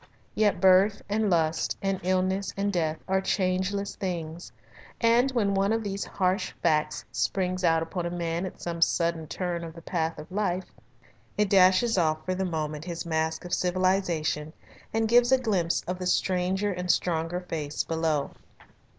Yet birth, and lust, and illness, and death are changeless things, and when one of these harsh facts springs out upon a man at some sudden turn of the path of life, it dashes off for the moment his mask of civilisation and gives a glimpse of the stranger and stronger face below.